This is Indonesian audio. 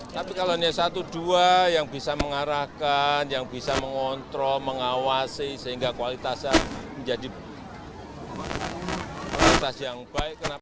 tapi kalau hanya satu dua yang bisa mengarahkan yang bisa mengontrol mengawasi sehingga kualitasnya menjadi prioritas yang baik